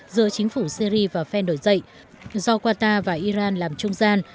giữa chính phủ syri và phe đổi dậy do qatar và iran làm trung gian